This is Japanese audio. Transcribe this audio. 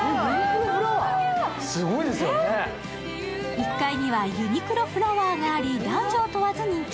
１階にはユニクロフラワーがあり、男女問わず人気。